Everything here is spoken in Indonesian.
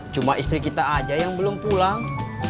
cuma istri kita aja yang belum pulang